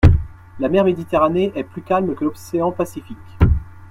La mer Méditerranée est plus calme que l’océan Pacifique.